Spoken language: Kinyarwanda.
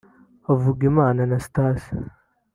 Havugimana Anastase